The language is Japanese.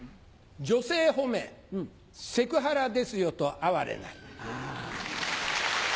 女性褒めセクハラですよと哀れなり。